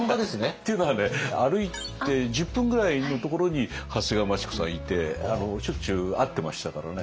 っていうのはね歩いて１０分ぐらいのところに長谷川町子さんいてしょっちゅう会ってましたからね。